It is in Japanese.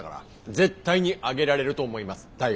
絶対に上げられると思います大学のも。